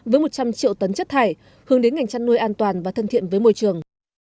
với một trăm linh triệu tấn chất thải hướng đến ngành chăn nuôi an toàn và thân thiện với môi trường